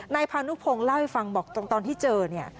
นายพานุพงศ์เล่าให้ฟังบอกตรงตอนที่เจอเนี่ย